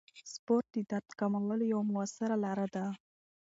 سپورت د درد کمولو یوه موثره لاره ده.